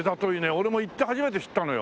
俺も行って初めて知ったのよ。